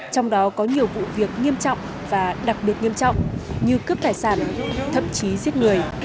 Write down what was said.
trong đó có nhiều vụ việc nghiêm trọng và đặc biệt nghiêm trọng như cướp tài sản thậm chí giết người